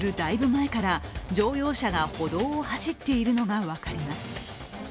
前から乗用車が歩道を走っているのが分かります。